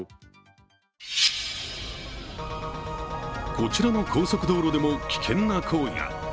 こちらの高速道路でも危険な行為が。